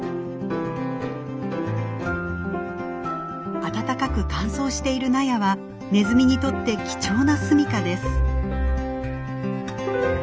暖かく乾燥している納屋はネズミにとって貴重な住みかです。